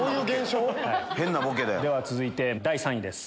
では続いて第３位です。